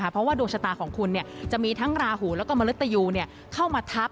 เพราะว่าดวงชะตาของคุณจะมีทั้งราหูแล้วก็มนุษยูเข้ามาทับ